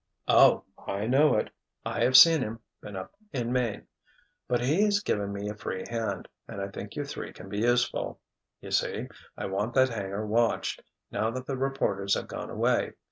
"Oh, I know it. I have seen him, been up in Maine. But he has given me a free hand, and I think you three can be useful. You see, I want that hangar watched, now that the reporters have gone away.